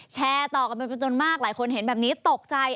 แชร์ต่อกันเป็นจนมากหลายคนเห็นแบบนี้ตกใจ